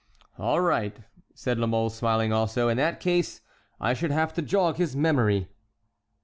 "All right," said La Mole, smiling also, "in that case I should have to jog his memory."